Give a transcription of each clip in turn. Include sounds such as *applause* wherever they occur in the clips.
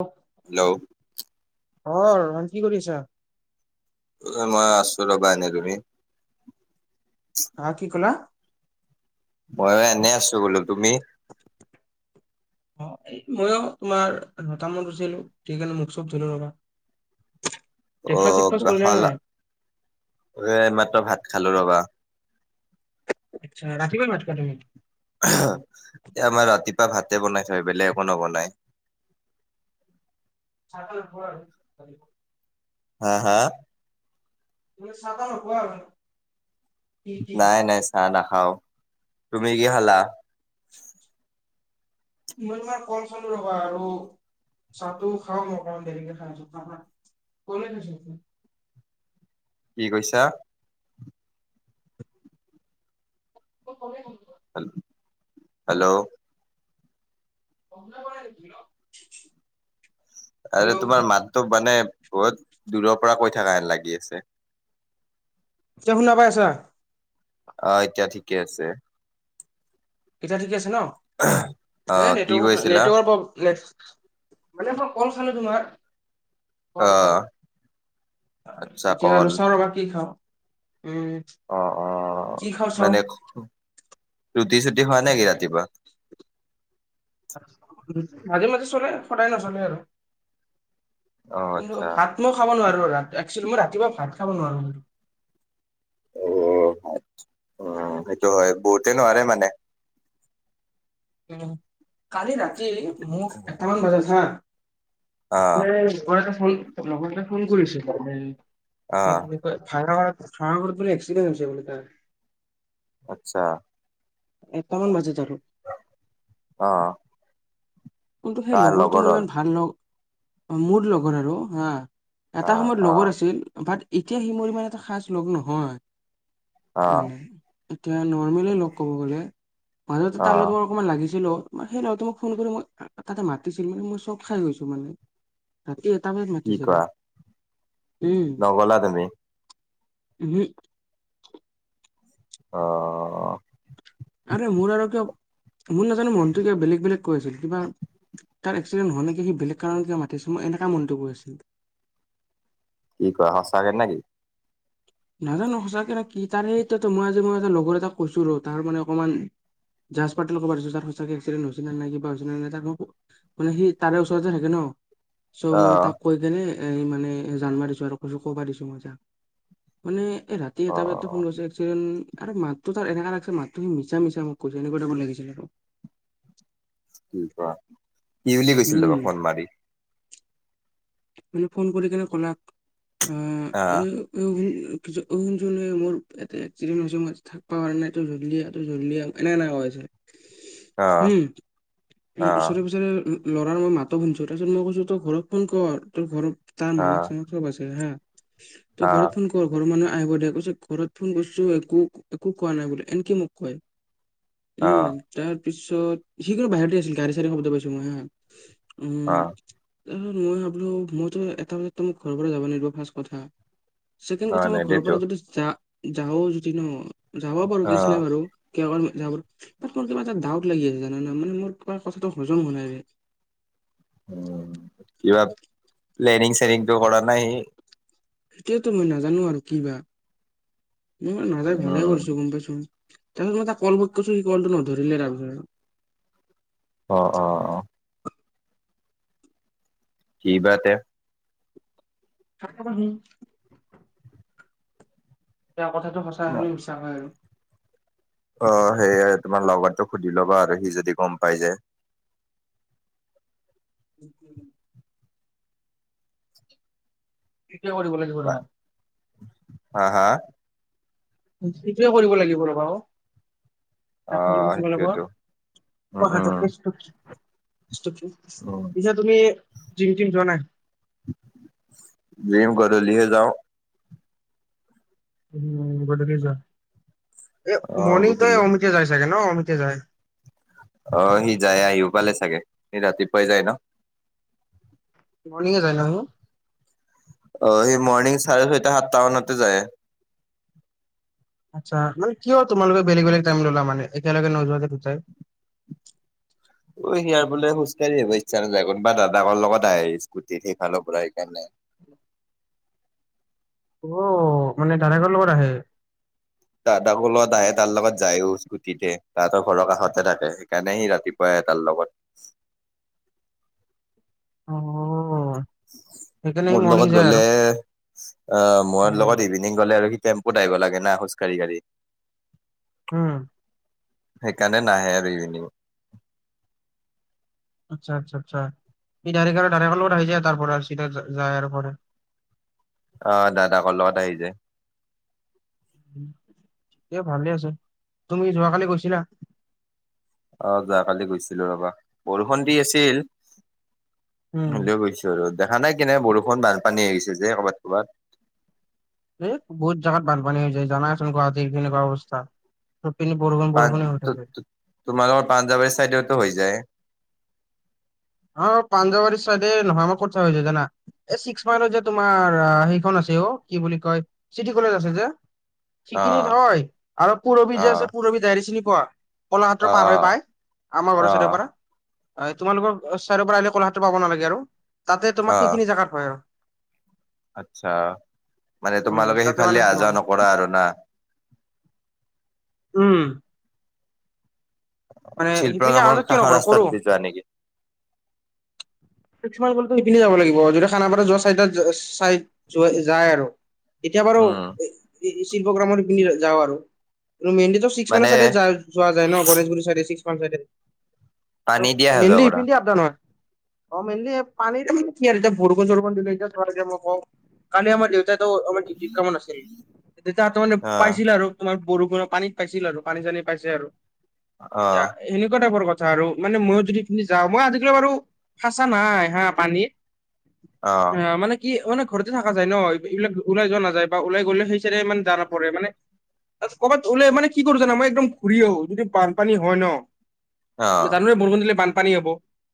অ। *unintelligible* Hello? অ ৰন কি কৰি আছা। মই আছো ৰবা এনেই তুমি। হা কি ক'লা। ময়ো এনেই আছো বোলো তুমি। *inaudible* অ মইয়ো তোমাৰ নটামত চিলো সকাৰণে মোক চব ধৰিলো ৰবা। *inaudible* অ চেকফাষ্ট কিবা কৰিলা নে খালা নাই? এই মাত্ৰ ভাত খালো ৰবা। আ ৰাতি পোৱাই মাতিলা তুমি। এ আমাৰ ৰাতিপুৱা ভাতে বনাই থয় বেলেগ একো নবনায়। *unintelligible* হা হা। চাহ তা নোপোৱা। নাই নাই চাহ নাখাও তুমি কি খালা। মই তোমাৰ কল খালো ৰ'বা আৰু অ, চাহটো খাওঁ মই অকণমান দেৰিকে খাইছো কলে থৈছো। কি কৈছা। *unintelligible* হেল হেল্ল', *unintelligible* আৰু হেল্ল' তোমাৰ মাততো মানে বহুত দূৰ পৰা কৈ থাকা হেন লাগি আছে। এতিয়া শুনা পাই আছা। অ এতিয়া ঠিকে আছে। এতিয়া ঠিক আছে ন অ কি নেটৰ কৈছিলা নেটৱৰ্কৰ। মানে মই কল খালো তোমাৰ। অ কল কল আচ্ছা এতিয়া কল ৰচা বাকী খাওঁ উম। অ অ কি খাওঁ চাওঁ মানে ৰুটি চুটি হয় নে কি ৰাতিপুৱা। মাজে মাজে চলে সদায় নচলে আৰু অ কোন আচ্ছা ভাত। মই খাব নোৱাৰো ৰা একচুৱেলি মই ৰাতিপুৱা ভাত খাব নোৱাৰো আৰু অ উম সেইটো হয় বহুতে নোৱাৰে মানে। উম কালি ৰাতি মোক এটামান বজাত হা, অ', যে লগৰ এটাই ফোন ফোন কৰিছিল অ', ম ফঙ খোৱাঙত বুলে এক্সিডেণ্টত হৈছে এটা, আচ্ছা, এটামান বজাত আৰু অ অ, কিন্তু সেই কাৰ লগৰটো মোৰ লগৰৰ ইমান ভাল মোৰ লগৰ আৰু হা, এটা অ', সময়ত লগৰ অ', আছিল বাট এতিয়া সি মোৰ ইমান এটা খাজ লগৰ নহয়। অ', মানে এতিয়া নৰ্মেলি লগ ক'ব গ'লে মাজতে তাৰ অ', লগত, অকমান লাগিছিল অ ম সেই লগতে মোক ফোন কৰি মই তাতে মাতিছিল মানে মই চব খাই গৈছো মানে। ৰাতি এটা বজাত কি মাতিছে কোৱা উম নগলা তুমি উহু, অ, আৰে মোৰ আৰু কিয় মোৰ নাজানো মনটো কিয় বেলেগ বেলেগ কৈ আছিল কিবা, তাৰ এক্সিডেণ্ট হোৱা নাই নেকি সি বেলেগ কাৰণ কি মাতিছিল মই এনেকা মনটো গৈ আছিল। কি কোৱা সঁচাকৈ নেকি। নাজানো সঁচাকে নে কি তাৰে সতো মই আজ মই এটা লগৰ এটা কৈছো ৰ তাৰ মানে অকণমান। যাহাজাতাল কব পাৰছো তাৰ সঁচাক এক্সিডেট হৈছে নাই কিবা হৈছে নে নাই, মানে সি তাৰে ওচৰতে থাকে ন। চ' মই অ', তাক কৈ কেনে এ মানে জানবা দিছো আৰু কৈছো কবা দিছো মই তাক, উম, এ ৰাতি এটা বজাতটা অ', ফোন কৰিছে এক্সিডেণ্ট আৰু মাতটো তাৰ এনেকা লাগিছে মাতটো মিছা-মিছা মোক কৈছে এনেকুৱা লাগিছিল আৰু। কি কোৱা? কি বুলি কৈছিল উম, তোমাক ফোন মাৰি? মানে ফোন কৰি কেনে ক'লাক, অ, এ অ, শুনচোন মোৰ এটা এক্সিডেণ্ট হৈছে মই থাকব পৰা নাই তই জল্দি আহ, তই জল্ডি আহ। এনে কৈ আছে অ', উম। উ অ', ওচৰে পজৰে ল'ৰাৰ মই মাতো শুনিছোঁ, তাৰ পিছত মই কৈছোঁ তোৰ ঘৰত ফোন কৰ। তোৰ ঘৰত তাৰ মামাক অ', চামাক *unintelligible* হা? তই অ', ঘৰত ফোন ঘৰৰ মানুহে আহিব দে। কৈছে ঘৰত ফোন কৰিছোঁ একো-একো কোৱা নাই বোলে এনকে মোক কয়। উম অ', তাৰ পিছত সি কিন্তু বাহিৰতে আছিল, গাড়ী চাৰিৰ শব্দ পাইছো মই হা। উম অ', তাৰছত মই ভাবো বল মইতো এটা বজাত ত মোক ঘৰৰ পৰা যাব লাগিব ফাষ্ট কথা, ছেকেন্ড অ', কথা মই ঘৰৰ নেদেটো পৰা যদি যা যাও যদি ন, যাব পাৰো কেছ অ', নাই বাৰু। *unintelligible* মোৰ কিবা এটা ডাউট লাগি আছে জানা না? মানে মোৰ কিব কথাটো হজম হোৱা নাই। উম, কিবা প্লেনিং শ্লেনিং টো কৰা নাই সি? এতিয়াতো মই নাজানো আৰু কি বা, মই নাজায় ভালে উম, কৰিছোঁ গম পাইছোঁ। তাৰিছত মই তাক কল বেক কৰিছোঁ সি কলটো ধৰিলে তাৰপিছত অ', অ'। অ', কি বা তে? আ বি *unintelligible* কথাটো সঁচা শুনি মিছা হয় আৰু। অ', সেইয়ে তোমাৰ লগৰটোক সুধি ল'বা আৰু সি যদি গম পাই যাই। *unintelligible* কিয় কৰিব লাগে হা-হা? সেইটোয়ে কৰিব লাগিব ৰ'বা। অ *unintelligible* সেইটোয়েতো উম উম উম পিছে তুমি, জিম টিম যোৱা নাই? জিম গধূলি হে যাওঁ। উম গধূলি যোৱা? অ মৰ্নিং টাইম গধূলি অমিতে যাই চাগে ন অমিতে যায়। অ', সি যায় আহিও পালে চাগে, সি ৰাতিপুৱাই যায় ন? মৰ্ণিং যায় ন *unintelligible* অ', সেই মৰ্ণিং চাৰে ছয়টা, সাতটা মানতে যায়। আচ্ছা, মানে কিয় তোমালোকে বেলেগ-বেলেগ টাইম ললা মানে একেলগে নোযোৱা যে দুটাই? অ', সিয়াৰ বোলে খোজকাঢ়ি আহিব ইচ্ছা নাযায়, কোনোবা দাদাকৰ লগত আহে স্কুটিত সেইফালৰ পৰা সেইকাৰণে। অ', মানে দাদাকৰ লগত আহে? দাদাকৰ লগত আহে তাৰ লগত যায়ও স্কুটিতে দাদাৰ ঘৰৰ কাষতে থাকে সেইকাৰণে সি ৰাতিপুৱাই সি তাৰ লগত। অ'। সেইকাৰণে সি মোৰ মৰ্ণিং লগত যায় গ'লে, আৰু আহ মই উম লগত ইভিনিং গলে আৰু সি টেম্পোত আহিব লাগে না খোজ কাঢ়ি-কাঢ়ি। উম। সেইকাৰণে নাহে আৰু ইভিনিং। আচ্ছা-আচ্ছা-আচ্ছা, সি ডাইৰেক্ট আৰু দাদাকৰ লগত আহি যায় তাৰ পৰা চিধা যায় আৰু পৰে? অ', দাদাকৰ লগত আহি যায়। ভালে আছে, তুমি যোৱাকালি গৈছিলা? অ', যোৱাকালি গৈছিলোঁ ৰবা, বৰষুণ দি আছিল, উম হলেও গৈছোঁ। দেখা নাই কেনেকুৱা বৰষুণ, বানপানী আহিছে যে কৰ'বাত-ক'ৰবাত? এ বহুত জেগাত বানপানী হৈ যায়, জানাচোন গুৱাহাটীৰ কেনেকুৱা অৱস্থা। চব পিনে বৰষুণ পাওঁ, বৰষুণে হৈ থাকে। টোত-টোত তোমালোকৰ পাঞ্জাৱাৰী চাইডতো হৈ যায়? অ', পাঞ্জাবাৰী চাইডে নহয় আমাৰ ক *unintelligible* হৈ যায় জানা? এ ছিক্স মাইলত যে তোমাৰ সেইখন আছে অ, কি বুলি কয়, চিটি কলেজ আছে যে? সেইখিনিত অ' হয় আৰু পুৰবি যে আছে অ' পুৰবি দাৰি চিনি পোৱা? কলা ক্ষেত্ৰ অ' পাৰ হৈ অ' পায়, আমাৰ ঘৰৰ চাইডৰ অ' পৰা। তোমালোকৰ *unintelligible* চাইডৰ পৰা আহিলে কলা ক্ষেত্ৰ পাব নালাগে আৰু তাতে তোমাৰ অ' সেইখিনি জেগাত হয় আৰু। আচ্ছা, মানে উম তোমালোকে তাতে সেইফালে মানে আহ যোৱা তোমাৰ নকৰা আৰু না? উম। মানে শিল্প সিপিনে অহা গামৰ যোৱা কিয় কাষৰ নকৰো কৰো ৰাস্তাটো দি যোৱা নেকি? *unintelligible* সেইপিনে যাব লাগিব, যদি খানাপাৰা যোৱা চাইডত চাই যোৱা যায় আৰু। এতিয়া বাৰু উম শিল্প গ্ৰামৰ শিপিনী দি যাওঁ আৰু। *unintelligible* ছিক্স মানে মাইলৰ চাইডে যোৱা যায় ন, গণেশগুৰি ছাইডে ছিকস মাইল চাইডে? পানী দি অহা যোৱা মেইনলি কৰা এপিনেদি আপ ডাউন হয়। অ মেইনলি পানী *inaudible* বৰষুণ-চৰষুণ *unintelligible* তোমাক এতিয়া ক‌ওঁ *unintelligible* কালি আমাৰ দেউতাইটো আমাৰ *inaudible* কামত আছিল, দেউতা তাৰ মানে অ' পাইছিল আৰু। বৰষুণৰ পানীত পাইছিল আৰু, পানী-চানী পাইছে আৰু। অ' সেনেকুৱা টাইপৰ কথা আৰু। মানে মইয়ো যদি সিপিন্ধি যাওঁ মই আজিকালি বাৰু সাচা নাই হা পানীত, অ', মানে কি মানে ঘৰতে থাকা যায় ন, এইবিলাক ওলাই যোৱা নাযায় বা ওলাই গ'লে সেই চাইড মানে যোৱা নপৰে, মানে ক'ৰবাত ওলালে মানে কি কৰোঁ জানা মই একদম ঘূৰি আহোঁ, যদি বানপানী হয় ন? অ জনুৱে বৰষুণ দিলে বানপানী হ'ব,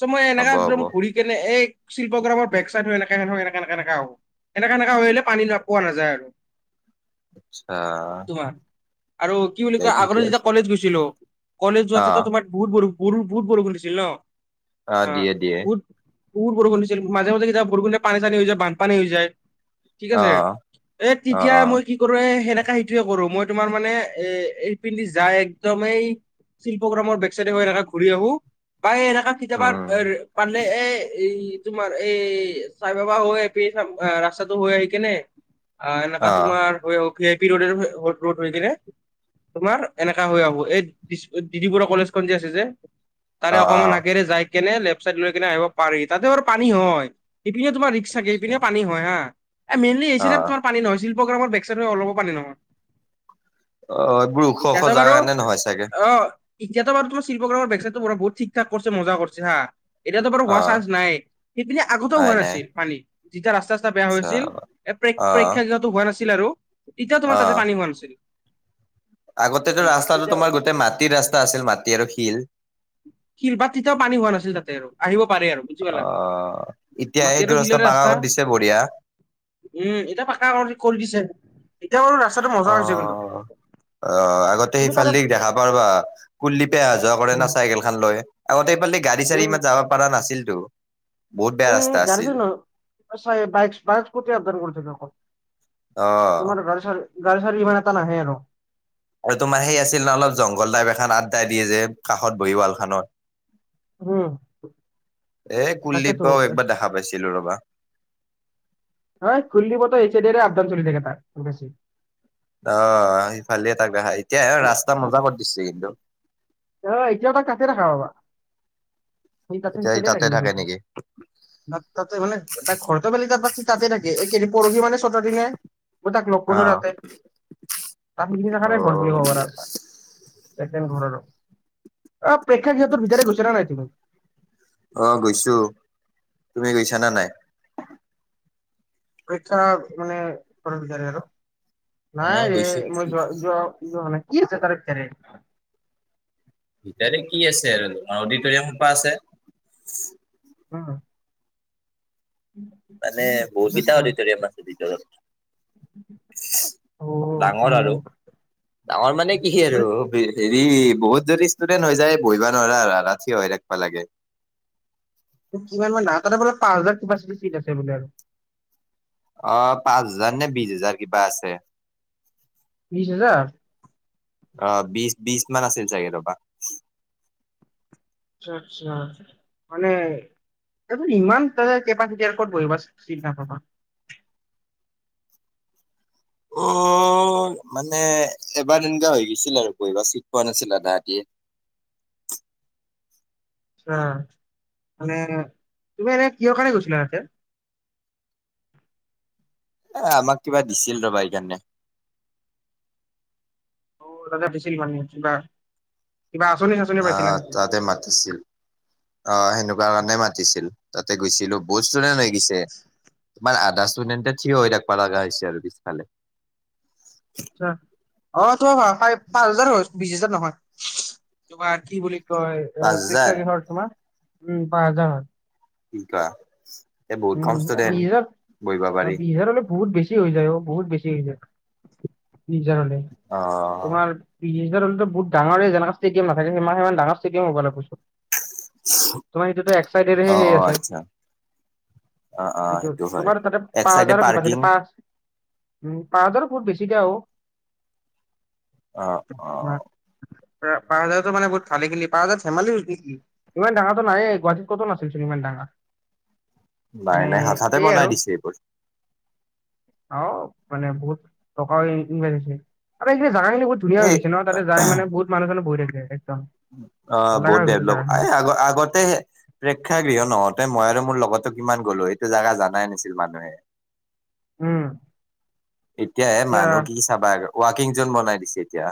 চ' মই হ'ব এনেকা হ'ব কৰি কেনে এই শিল্পগ্ৰামৰ বেক চাইডটো এনেক এ এনেকা-এনেকে আহোঁ। এনেকা-এনেকা হৈ আহিলে পানী পোৱা নাযায় আৰু। আচ্ছা। আৰু কি বুলি দে কয় ঠিকে আগতে যেতিয়া আছে কলেজ গৈছিলোঁ, কলেজ অ যোৱাতেতো তোমাৰ বহুত বৰষুণ বহুত বৰষুণ দিছিল ন? অ', দিয়ে-দিয়ে। বহুত বহুত বৰষুণ দিছিল মাজে-মাজে কেতিয়াবা বৰষুণ দি পানী-চানী হৈ যায়, বানপানী হৈ যায়। ঠিক অ আছে? এ অ তেতিয়া অ মই কি কৰো এ সেনেকা সেইটোৱেই কৰোঁ, মই তোমাৰ মানে এ এই পিন্ধি যাই একদমেই *unintelligible* শিল্প গ্ৰামৰ বেকচাইড হৈ এনেকা ঘূৰি আহোঁ, বা এনেকা কেতিয়াবা উম এ পৰিলে এ এই তোমাৰ এই চাই বাবা হৈ আহি ৰাস্তাটো হৈ আহি কেনে *unintelligible* অ', এনেকা তোমাৰ *unintelligible* ভিই পি ৰডৰ ৰড হৈ কিনে তোমাৰ এনেকা হৈ আহোঁ, এই দিছ এই দিদি বৰুৱা কলেজখন যে আছে যে? অ তাৰে অ অকমান আগেৰে যাই কেনে লেফট চাইড লৈ কেনে আহিব পাৰি, তাতে বাৰু পানী হয়। ইপিনে তোম ৰিক্স এইপিনে পানী হয় হা? এ মেইনলি এই অ অ চাইদে তোমাৰ পানী নহয় শিলপ্ৰগ্ৰামৰ বেক চাইডটো অলপো পানী নহয়। এইবোৰ ওখ ওখ এয়াতো জাগা বাৰু, কাৰণে নহয় চাগে আহ এতিয়া তোমাৰ শিল্পগ্ৰামৰ বেক চইডটো বহুত ঠিক ঠাক কৰিছে মজা কৰিছে হা এতিয়াতো বাৰু অ হোৱা চান্স নাই, সেইপিনে আগতেও নাই হোৱা নাই নাছিল পানী যেতিয়া ৰাস্তাত বেয়া আচ্ছা হৈছিল এ অ পৰীক্ষা যোৱা টো হোৱা নাছিল আৰু, তেতিয়া তোমাৰ তাতে পানী হোৱা নাছিল। আগতে মানে ৰাস্তাটো তেতিয়াও তোমাৰ গোটেই মাটিৰ ৰাস্তা আছিল মাটি আৰু শিল? শিল বাট তেতিয়াও পানী হোৱা নাছিল তাতে আৰু, আহিব পাৰে আৰু। বুজি পালা অ', এতিয়া মাটি আৰু সেইটো ৰাস্তা শিলৰে বাগ আগত দিছে বঢ়িয়া। উম, এতিয়া পাকা কৰি দিছে। এতিয়া বাৰু ৰাস্তাটো মজা হৈছে কিন্তু। অ', অ', আগতে তাতে তুমি সিফাল তাৰে দি দেখা পাওঁ ৰবা, কুললিপে অহা যোৱা কৰে না চাইকেল খান লৈ? আগতে সেইফালে গাড়ী চাড়ী উম, ইমান যাব পৰা নাছিলতো। বহুত বেয়া উম ৰাস্তা গাড়ী চাৰি আছিল নোৱাৰে, বাইক-বাইক স্কুটি আপডাউন কৰী থাকে অ অকল। গড়ি চাৰি, গঢ়ি চাৰি ইমান এটো নাহে আৰু। আৰু তোমাৰ সেই আছিল ন অলপ জংঘল টাইপ এখন আড্ডা দিয়ে যে কাষত বহি উৱাল খনত? উম, এ তাকেতো কুলদীপক একবাৰ দেখা পাইছিলোঁ ৰবা। কুলদীপ হঁতৰ এইছিদে আড্ডা চলি থাকে *unintelligible* অ', সিফালে তাক আহা, এতিয়া ৰাস্তা মজা কৰি দিছে কিন্তু। অ', এতিয়াও তাক তাতে দেখা পাবা, তাতে হেইছাইদে থাকে বেছি। তাতে মানে তাক ঘৰতে বেলি তাত তাতে থাকে এয়েই পৰহি মানে চতদি ন *unintelligible* তাক লগ অ কৰিলোঁ তাতে, অ *unintelligible* ঘৰ বুলি কব পাৰ তাৰ ঘৰ আৰু। প্ৰেক্ষা সিহঁতৰ ভিতৰে গৈছা নাই তুমি? অ', গৈছোঁ। তুমি গৈছানে নাই? পীক্ষা মানে প বিচাৰ *unintelligible* আৰু অ নাই ৰে গৈছো গৈছো মই যোৱা-যোৱা যুৱাহুৱানাই। মানে কি আছে তপাৰে *unintelligible* ভিতৰৰ কি আছে আৰু, তোমাৰ অডিটৰিয়াম সোপা আছে। উম। মান বহুত আচ্ছা কেটাও আচ্ছা অদিতৰিৱাম আছে ভিতৰত। অ ডাঙৰ আৰু। *inaudible* ডাঙৰ মানে কি আৰু হেৰি বহুত যদি ষ্টুডেন্ট হৈ যায় বহিবা নোৱাৰা আৰু থিয় হৈ থাকিবা লাগে। কিমান মান ডাঙৰ, তাতে বোলে পাঁচ হাজাৰ কোচিটি চিট আছে বোলে? অ', পাঁচ হাজাৰ নে বিশ হাজাৰ কিবা আছে। বিশ হেজাৰ? অ', বিশ-বিশ মান আছিল চাগে ৰবা। আচ্ছা-আচ্ছা। মানে এইটো ইমান ত কেপাচিটি আৰু ক'ত বহিবা চিত নাপাবা? অ', মানে এবাৰ তেনকুৱা হৈ গৈছিল আৰু বঢ়িবা চিট পোৱা নাছিল আধা অধিয়ে। অ', মানে তুমি এনে কিহৰ কাৰণে গৈছিলা তাতে? এ আমাক কিবা দিছিল ৰবা এইকাৰণে। অ', কিবা এটা দিছিল মানে কিবা। কিবা আঁচনি চাচনি পাইছিলা নেকি? এই মাতিছিল। অ', সেনেকুৱা কাৰণে মাতিছিল। তাতে গৈছিলোঁ, বহুত ষ্টুডেন্ট হৈ গৈছিল। তোমাৰ আধা ষ্টুডেণ্টতে থিয় হৈ থাকবা লগা হৈছে আৰু পিছফালে। অ', তোমাৰ ভ পাঁচ হাজাৰ হয় বিশ হাজাৰ নহয়। তোমাৰ কি বুলি ক পাঁচ হাজাৰ প্ৰীক্ষা কি ঘৰত তোমাৰ। উম, পাঁচ হাজাৰ হয়। *unintelligible* উম, বিছ ষ্টুডেন্ট হাজাৰ, বহিব পাৰি বিছ হাজাৰ হলে বহুত বেছি হৈ যায় অ, বহুত বেছি হৈ যায় বিচ হাজাৰ হলে, অ তোমাৰ বিচ হাজাৰ হলে টো বহুত ডাৰে জেনেকা ষ্টেদিয়াম নাথাকে সম সিমান ডাঙৰ ষ্টেডিয়াম হব লাগব। তোমাৰ সেইটোতো এক অ চাইডেৰেহে অ সেই আছে? আচ্ছা অ অ সেইটো হয় তোমাৰ তাতে এক পাঁচ চাইডে হাজাৰৰ পাৰ্কিং কেপাচিতি, পাঁচ উম, পাঁচ হাজাৰৰ বহুত বেছি দিয়া হ'ব। অ', অ'। পাঁচ হাজাৰতো মানে বহুত খালি খেলি পাঁচ হাজাৰ ধেমালি হৈছে নেকি? ইমান ডাঙাটো নাই গুৱাহাটীত কত নাছিল চোন ইমান ডাঙৰ? মানে নাই-নাই হাঠাতে সেয়ে বনাই আৰু দিছে এইবোৰ। অ', মানে বহুত টকাও ইনভেষ্ট হৈছে, আৰু এই জাগা খিনি বহুত ধুনীয়া হৈ এই গৈছে ন? তাতে যায় মানে বহুত মানুহ চানুহ বহি থাকে একদম। অ', লাগা বহুত হৈ গৈছে ডেভলপ, জাগাখিনি এই আগ আগতে প্ৰেক্ষাগৃহ নহওঁতে মই আৰু মোৰ লগৰটো কিমান গ'লোঁ, এইটো জাগা জনাই নাছিল মানুহে। উম। এতিয়া এ মানুহ কি চাবা আৰু, ৱাকিং জোন বনাই দিছে এতিয়া।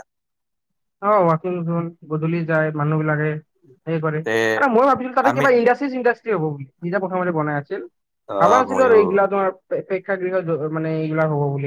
অ', য়াকিং জুন গধূলি যায় মানুহ বিলাকে সে কৰে, তে আৰু মই ভাবিছিলোঁ তাতে আমি কিবা চিণ্ডাষ্ট্ৰী হব বুলি। যেতিয়া প্ৰথমতে বনাই আছিল, অ ভাবা নাছিলোঁ এই ময়ো গিলা তোমাৰ প্ৰেক্ষাগৃহ মানে এইবিলাক হ'ব বুলি।